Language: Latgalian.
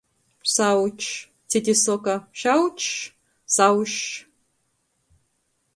Saučs, cyti soka – šaučs, saušs.